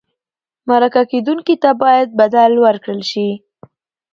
مرکه کېدونکي ته باید بدل ورکړل شي.